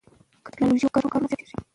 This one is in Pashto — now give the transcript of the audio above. که ټیکنالوژي وکاروو نو کارونه نه ځنډیږي.